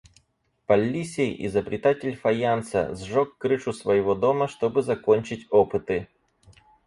Паллиси, изобретатель фаянса, сжег крышу своего дома, чтобы закончить опыты.